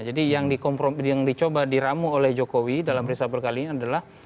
jadi yang dicoba diramu oleh jokowi dalam resolver kali ini adalah